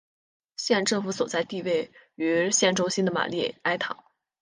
县政府所在地位于县中心的玛丽埃塔。